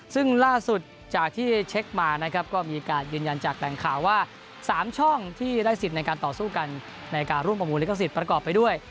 ซึ่งล่าสุดจากที่เช็คมานะครับก็มีการยืนยันจากแหล่งข่าวว่า๓ช่องที่ได้สิทธิ์ในการต่อสู้กันในการร่วมประมูลลิขสิทธิ์ประกอบไปด้วย